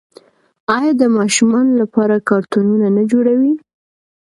آیا د ماشومانو لپاره کارتونونه نه جوړوي؟